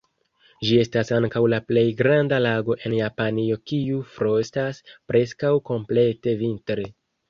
Ĝi estas ankaŭ la plej granda lago en Japanio kiu frostas preskaŭ komplete vintre.